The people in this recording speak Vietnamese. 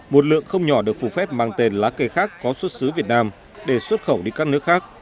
một lượng không nhỏ được phủ phép mang tên lá cây khác có xuất xứ việt nam để xuất khẩu đi các nước khác